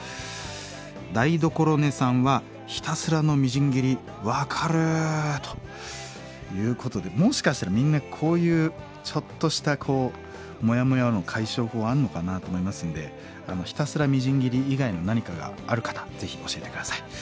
台所寝さんは「ひたすらのみじん切り分かる」ということでもしかしたらみんなこういうちょっとしたこうモヤモヤの解消法あんのかなと思いますんでひたすらみじん切り以外の何かがある方ぜひ教えて下さい。